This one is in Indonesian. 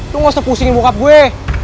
lo gak usah pusingin bokap gue